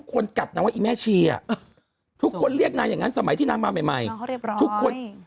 คนหน้าเหมือนเด็กมรัฐยมมาก